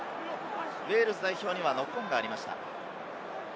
ウェールズ代表にはノックオンがありました。